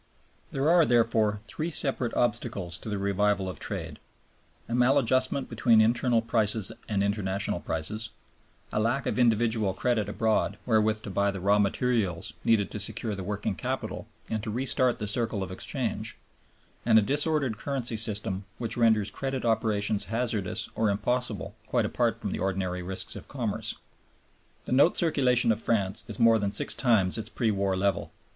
There are therefore three separate obstacles to the revival of trade: a maladjustment between internal prices and international prices, a lack of individual credit abroad wherewith to buy the raw materials needed to secure the working capital and to re start the circle of exchange, and a disordered currency system which renders credit operations hazardous or impossible quite apart from the ordinary risks of commerce. The note circulation of France is more than six times its pre war level.